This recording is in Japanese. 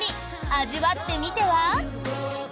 味わってみては？